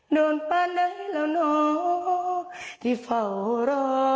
นอนป้าไหนแล้วเนาะที่เฝ้ารอ